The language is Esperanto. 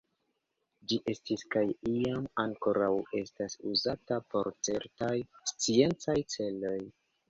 Ĝi estis, kaj iam ankoraŭ estas, uzata por certaj sciencaj celoj.